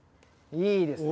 いいですね。